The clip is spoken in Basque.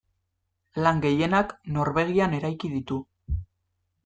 Lan gehienak Norvegian eraiki ditu.